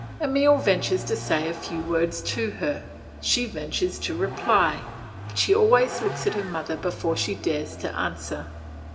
Emile ventures to say a few words to her, she ventures to reply, but she always looks at her mother before she dares to answer.